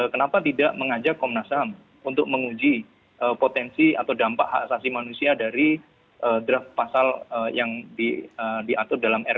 kenapa tidak mengajak komnas ham untuk menguji potensi atau dampak hak asasi manusia dari draft pasangan